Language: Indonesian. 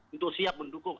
untuk siap mendukung